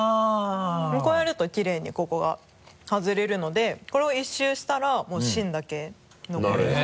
こうやるとキレイにここが外れるのでこれを一周したらもう芯だけ残ります。